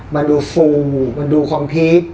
มันดูฟูมันดูคล้องพลิก